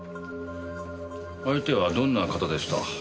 相手はどんな方でした？